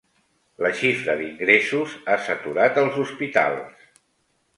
La xifra d'ingressos ha saturat els hospitals.